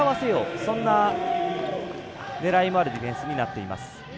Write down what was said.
そんな狙いもあるディフェンスになっています。